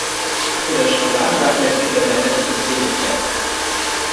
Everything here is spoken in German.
Für das Schokoladenraclette gibt er sein letztes Teelicht her.